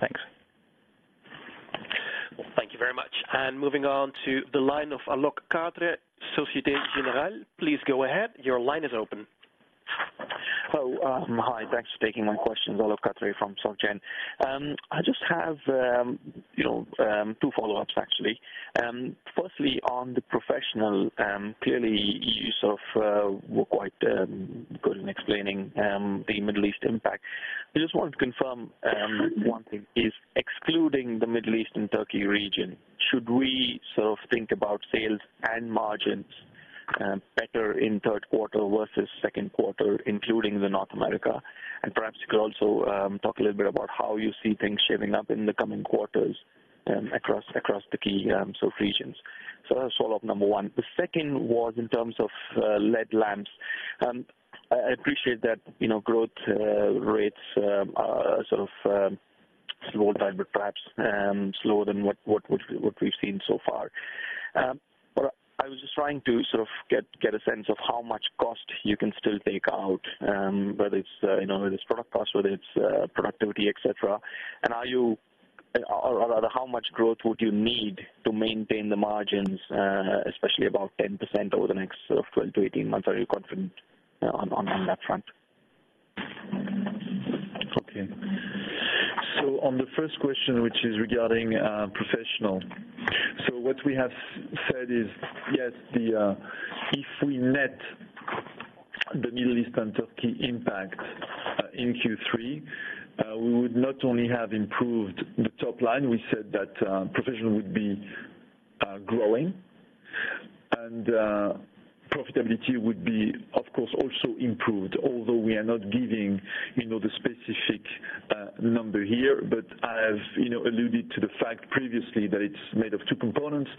Thanks. Thank you very much. Moving on to the line of Alok Katre, Société Générale. Please go ahead. Your line is open. Hello. Hi. Thanks for taking my questions. Alok Katre from Soc Gen. I just have two follow-ups, actually. Firstly, on the professional, clearly [yourself] were quite good in explaining the Middle East impact. I just wanted to confirm one thing, is excluding the Middle East and Turkey region, should we sort of think about sales and margins better in third quarter versus second quarter, including the North America? Perhaps you could also talk a little bit about how you see things shaping up in the coming quarters across the key sort of regions. That's follow-up number 1. The second was in terms of LED lamps. I appreciate that growth rates are sort of slowed by perhaps slower than what we've seen so far. I was just trying to sort of get a sense of how much cost you can still take out, whether it's product cost, whether it's productivity, et cetera. Or rather, how much growth would you need to maintain the margins, especially about 10% over the next sort of 12-18 months? Are you confident on that front? On the first question, which is regarding professional. What we have said is, yes, if we net the Middle East and Turkey impact in Q3, we would not only have improved the top line, we said that professional would be growing and profitability would be, of course, also improved, although we are not giving the specific number here. I have alluded to the fact previously that it's made of 2 components,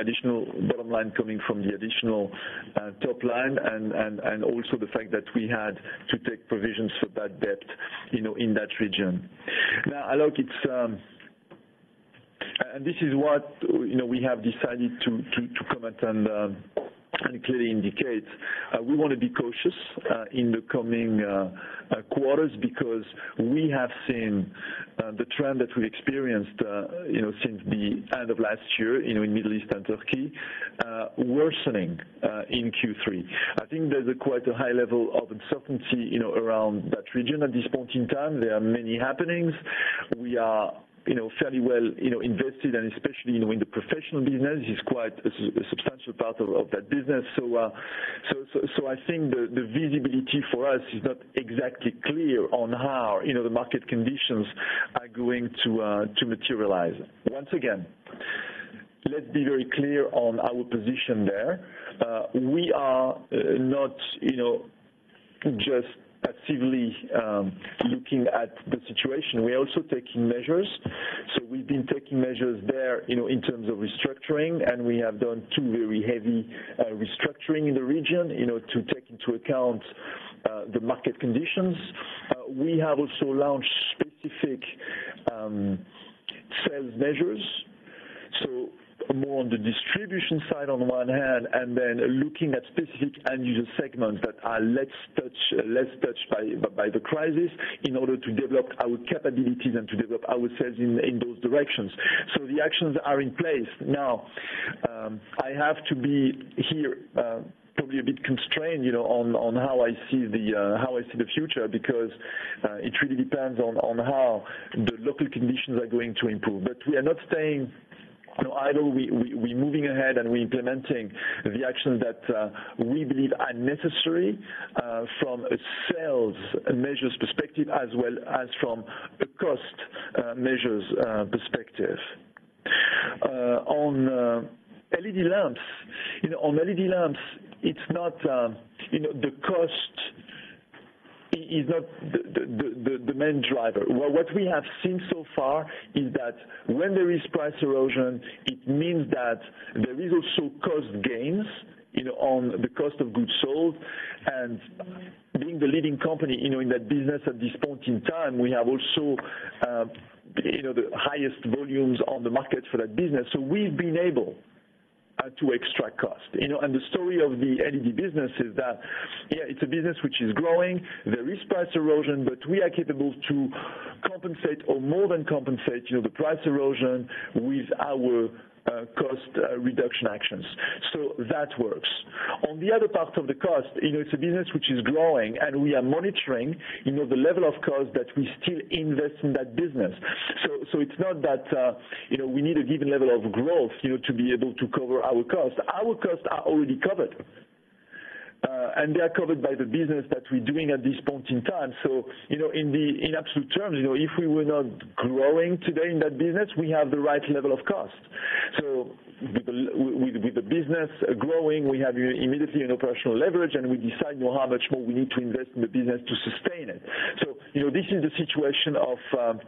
additional bottom line coming from the additional top line and also the fact that we had to take provisions for bad debt in that region. Alok, this is what we have decided to comment on and clearly indicate. We want to be cautious in the coming quarters because we have seen the trend that we experienced since the end of last year in Middle East and Turkey worsening in Q3. I think there's quite a high level of uncertainty around that region at this point in time. There are many happenings. We are fairly well invested, and especially in the professional business, it's quite a substantial part of that business. I think the visibility for us is not exactly clear on how the market conditions are going to materialize. Once again, let's be very clear on our position there. We are not just passively looking at the situation. We're also taking measures. We've been taking measures there in terms of restructuring, and we have done two very heavy restructuring in the region to take into account the market conditions. We have also launched specific sales measures, more on the distribution side on one hand, and then looking at specific end user segments that are less touched by the crisis in order to develop our capabilities and to develop our sales in those directions. The actions are in place. I have to be here probably a bit constrained on how I see the future because it really depends on how the local conditions are going to improve. We are not staying idle. We're moving ahead and we're implementing the actions that we believe are necessary from a sales measures perspective as well as from a cost measures perspective. On LED lamps, the cost is not the main driver. What we have seen so far is that when there is price erosion, it means that there is also cost gains on the cost of goods sold and being the leading company in that business at this point in time, we have also the highest volumes on the market for that business. We've been able to extract cost. The story of the LED business is that, yeah, it's a business which is growing. There is price erosion, we are capable to compensate or more than compensate the price erosion with our cost reduction actions. That works. On the other part of the cost, it's a business which is growing, and we are monitoring the level of cost that we still invest in that business. It's not that we need a given level of growth to be able to cover our cost. Our costs are already covered. They are covered by the business that we're doing at this point in time. In absolute terms, if we were not growing today in that business, we have the right level of cost. With the business growing, we have immediately an operational leverage, and we decide how much more we need to invest in the business to sustain it. This is the situation of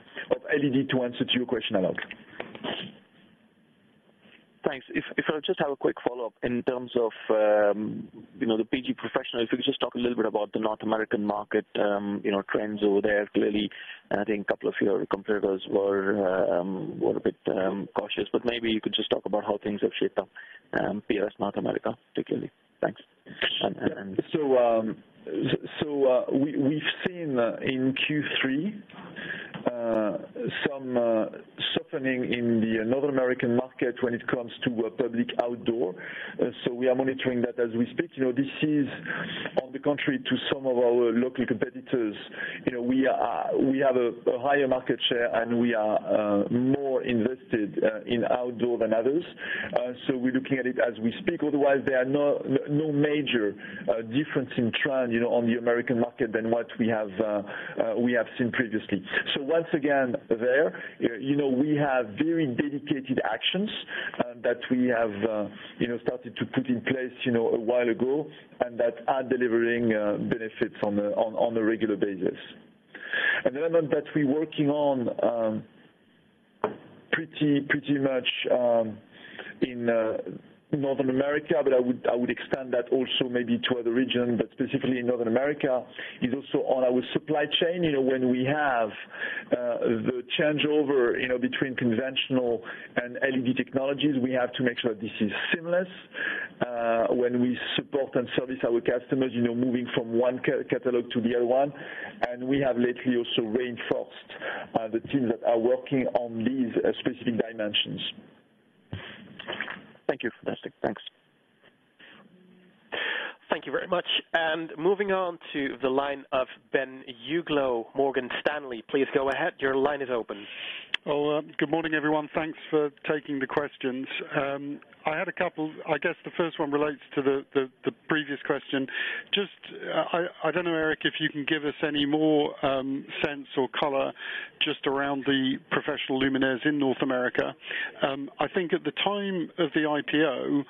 LED to answer to your question, Alok. Thanks. If I just have a quick follow-up in terms of the BG Professional, if you could just talk a little bit about the North American market trends over there. Clearly, I think a couple of your competitors were a bit cautious, maybe you could just talk about how things have shaped up, PLS North America particularly. Thanks. We've seen in Q3 some softening in the North American market when it comes to public outdoor. We are monitoring that as we speak. This is on the contrary to some of our local competitors. We have a higher market share, and we are more invested in outdoor than others. We are looking at it as we speak. Otherwise, there are no major difference in trend on the American market than what we have seen previously. Once again there, we have very dedicated actions that we have started to put in place a while ago and that are delivering benefits on a regular basis. Another element that we are working on pretty much in North America, but I would extend that also maybe to other region, but specifically in North America, is also on our supply chain. When we have the changeover between conventional and LED technologies, we have to make sure this is seamless. When we support and service our customers moving from one catalog to the other one, and we have lately also reinforced the teams that are working on these specific dimensions. Thank you. Fantastic. Thanks. Thank you very much. Moving on to the line of Ben Uglow, Morgan Stanley. Please go ahead. Your line is open. Well, good morning, everyone. Thanks for taking the questions. I had a couple. I guess the first one relates to the previous question. Just, I don't know, Eric, if you can give us any more sense or color just around the professional luminaires in North America. I think at the time of the IPO,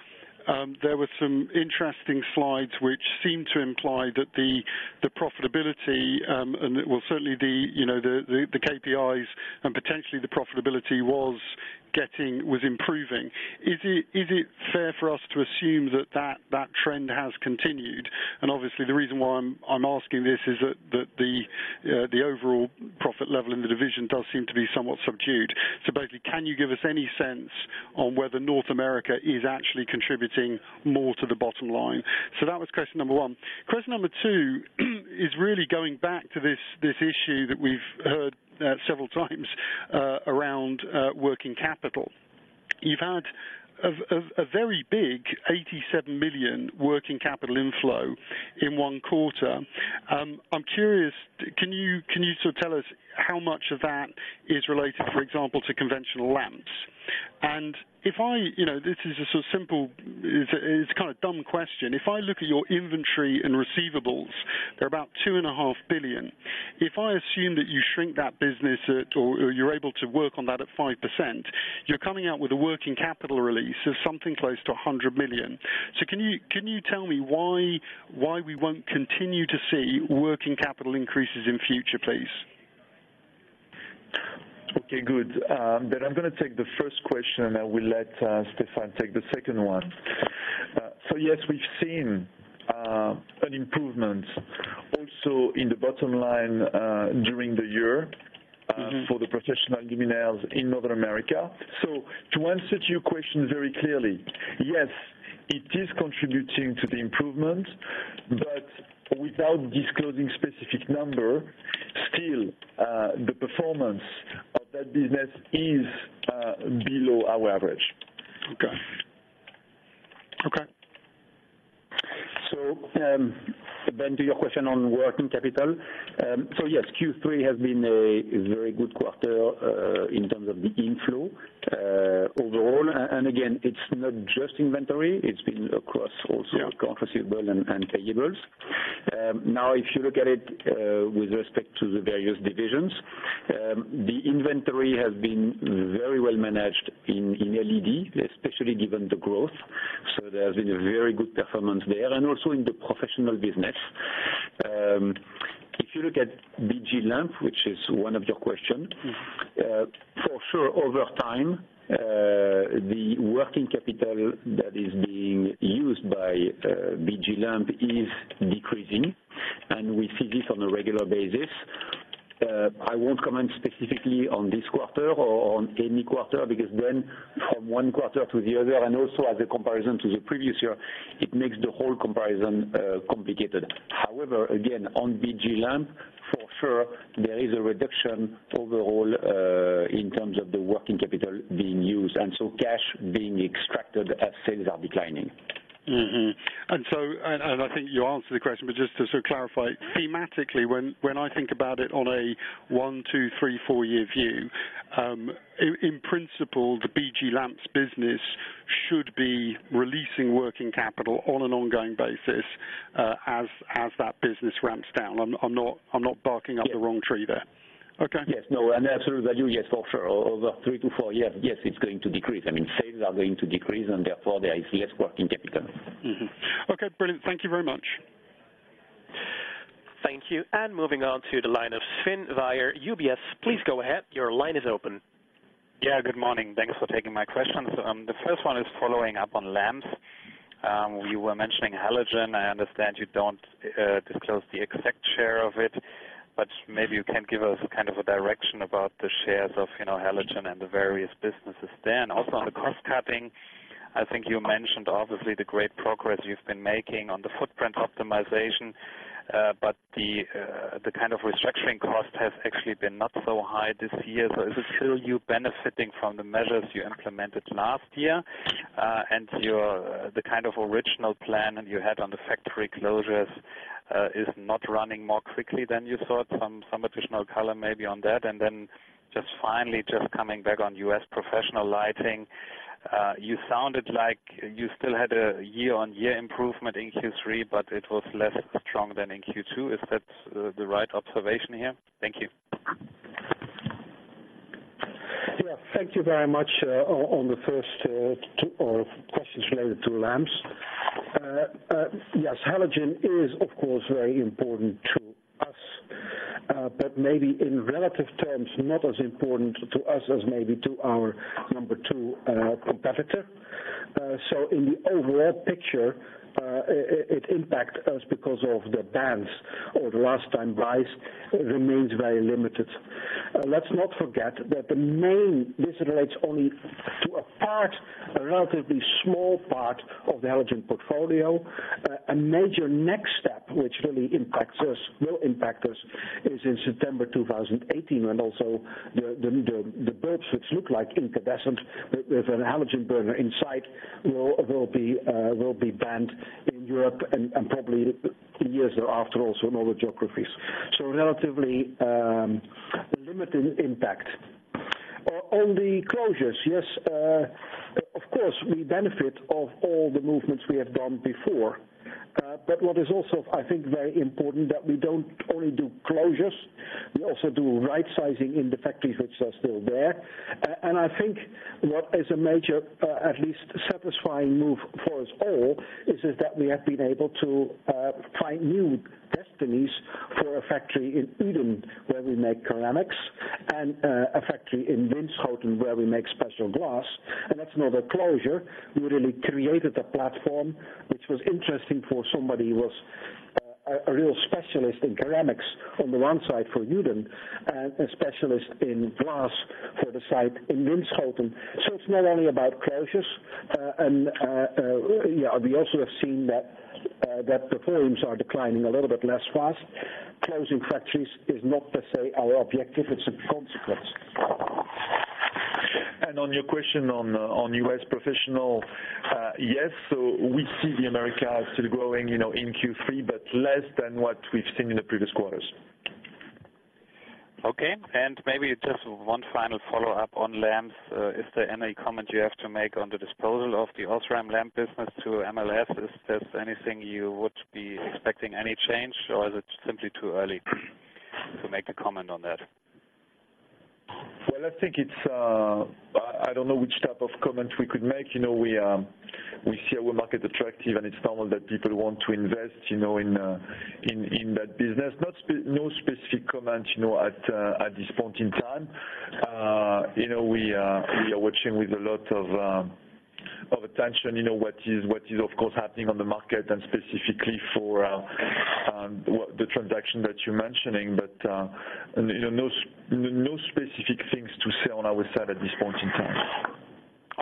there were some interesting slides which seemed to imply that the profitability, and well, certainly the KPIs and potentially the profitability was improving. Is it fair for us to assume that that trend has continued? Obviously the reason why I'm asking this is that the overall profit level in the division does seem to be somewhat subdued. Basically, can you give us any sense on whether North America is actually contributing more to the bottom line? That was question number one. Question number two is really going back to this issue that we've heard several times around working capital. You've had a very big 87 million working capital inflow in one quarter. I'm curious, can you sort of tell us how much of that is related, for example, to conventional lamps? This is a sort of simple, it's kind of dumb question. If I look at your inventory and receivables, they're about two and a half billion. If I assume that you shrink that business at, or you're able to work on that at 5%, you're coming out with a working capital release of something close to 100 million. Can you tell me why we won't continue to see working capital increases in future, please? Okay, good. Ben, I'm going to take the first question, and I will let Stéphane take the second one. Yes, we've seen an improvement also in the bottom line, during the year. for the professional luminaires in North America. To answer to your question very clearly, yes, it is contributing to the improvement, but without disclosing specific number, still, the performance of that business is below our average. Okay. Ben, to your question on working capital. Yes, Q3 has been a very good quarter in terms of the inflow overall. Again, it's not just inventory, it's been across also. Yeah Account receivable and payables. If you look at it with respect to the various divisions The inventory has been very well managed in LED, especially given the growth. There has been a very good performance there and also in the professional business. If you look at BG Lamps, which is one of your question. For sure, over time, the working capital that is being used by BG Lamps is decreasing, and we see this on a regular basis. I won't comment specifically on this quarter or on any quarter because then from one quarter to the other, and also as a comparison to the previous year, it makes the whole comparison complicated. Again, on BG Lamps, for sure, there is a reduction overall, in terms of the working capital being used, and so cash being extracted as sales are declining. I think you answered the question, but just to sort of clarify thematically, when I think about it on a one, two, three, four-year view, in principle, the BG Lamps business should be releasing working capital on an ongoing basis, as that business ramps down. I'm not barking up the wrong tree there? Yes. Okay. Yes. No. In absolute value, yes, for sure. Over three to four years, yes, it's going to decrease. Sales are going to decrease, and therefore, there is less working capital. Mm-hmm. Okay, brilliant. Thank you very much. Thank you. Moving on to the line of Sven Weiher, UBS. Please go ahead. Your line is open. Yeah, good morning. Thanks for taking my questions. The first one is following up on lamps. You were mentioning halogen. I understand you don't disclose the exact share of it, but maybe you can give us kind of a direction about the shares of halogen and the various businesses there. Also on the cost cutting, I think you mentioned obviously the great progress you've been making on the footprint optimization. The kind of restructuring cost has actually been not so high this year. Is it still you benefiting from the measures you implemented last year? The kind of original plan you had on the factory closures, is not running more quickly than you thought. Some additional color maybe on that. Then just finally, just coming back on U.S. professional lighting. You sounded like you still had a year-over-year improvement in Q3, but it was less strong than in Q2. Is that the right observation here? Thank you. Yeah, thank you very much. On the first two questions related to lamps. Yes, halogen is, of course, very important to us. Maybe in relative terms, not as important to us as maybe to our number 2 competitor. In the overall picture, it impacts us because of the bans or the last time buys remains very limited. Let's not forget that this relates only to a part, a relatively small part of the halogen portfolio. A major next step, which really will impact us, is in September 2018. Also the bulbs which look like incandescent with a halogen burner inside will be banned in Europe and probably in years thereafter also in other geographies. Relatively limited impact. On the closures, yes, of course, we benefit of all the movements we have done before. What is also, I think, very important, that we don't only do closures, we also do right sizing in the factories which are still there. I think what is a major, at least satisfying move for us all, is that we have been able to find new destinies for a factory in Uden where we make ceramics, and a factory in Winschoten where we make special glass. That's not a closure. We really created a platform which was interesting for somebody who was a real specialist in ceramics on the one side for Uden, and a specialist in glass for the site in Winschoten. It's not only about closures. We also have seen that the volumes are declining a little bit less fast. Closing factories is not per se our objective, it's a consequence. On your question on U.S. Professional, yes, we see the Americas still growing in Q3, less than what we've seen in the previous quarters. Okay. Maybe just one final follow-up on lamps. Is there any comment you have to make on the disposal of the OSRAM lamp business to MLS? Is there anything you would be expecting any change, or is it simply too early to make a comment on that? Well, I don't know which type of comment we could make. We see our market attractive, and it's normal that people want to invest in that business. No specific comment at this point in time. We are watching with a lot of attention what is, of course, happening on the market and specifically for the transaction that you're mentioning. No specific things to say on our side at this point in time.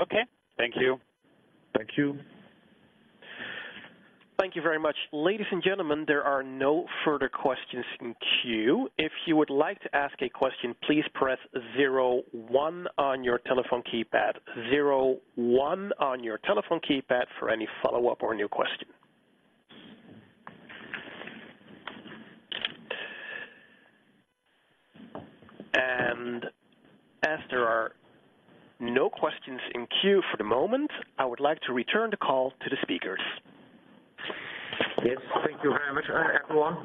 Okay. Thank you. Thank you. Thank you very much. Ladies and gentlemen, there are no further questions in queue. If you would like to ask a question, please press zero one on your telephone keypad. Zero one on your telephone keypad for any follow-up or a new question. As there are no questions in queue for the moment, I would like to return the call to the speakers. Yes, thank you very much, everyone.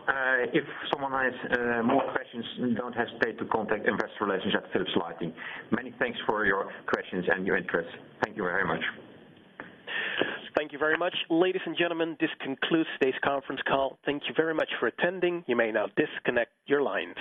If someone has more questions, don't hesitate to contact investor relations at Philips Lighting. Many thanks for your questions and your interest. Thank you very much. Thank you very much. Ladies and gentlemen, this concludes today's conference call. Thank you very much for attending. You may now disconnect your lines.